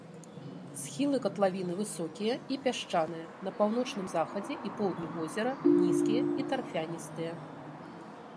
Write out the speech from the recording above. Схілы катлавіны высокія і пясчаныя, на паўночным захадзе і поўдні возера нізкія і тарфяністыя.